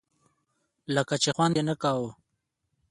لکه چې خوند یې نه کاوه.